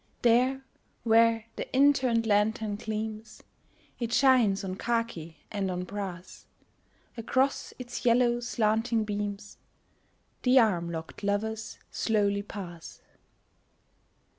There where the in turned lantern gleams It shines on khaki and on brass; Across its yellow slanting beams The arm locked lovers slowly pass.